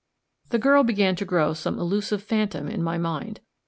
The girl began to grow some elusive phantom in my mind.